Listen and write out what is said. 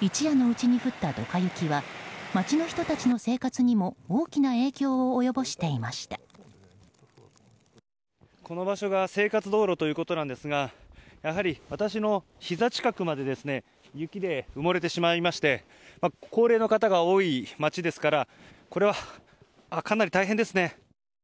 一夜のうちに降ったドカ雪は町の人たちの生活にもこの場所が生活道路ということなんですがやはり私のひざ近くまで雪で埋もれてしまいまして高齢の方が多い町ですからこれは、かなり大変ですね。